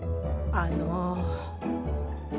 あの。